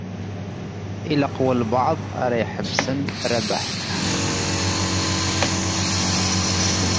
Ilaq walebɛaḍ ara iḥebsen Rabaḥ.